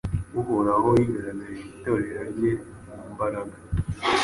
Uhoraho yigaragarije Itorero rye mu mbaraga